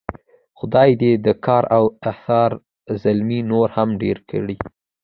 خدای دې د کار او ایثار زلمي نور هم ډېر کړي.